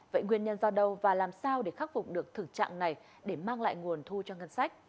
vậy nguyên nhân do đâu và làm sao để khắc phục được thực trạng này để mang lại nguồn thu cho ngân sách